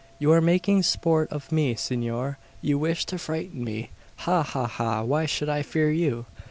"You are making sport of me, Senor. You wish to frighten me. Ha! ha! ha! Why should I fear you?